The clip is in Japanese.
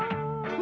何？